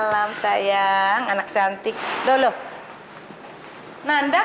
jangan jangan bercinta dengan dia itu